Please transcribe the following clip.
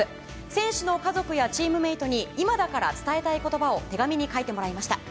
選手の家族やチームメートに今だから伝えたい言葉を手紙に書いてもらいました。